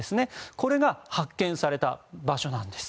これが発見された場所です。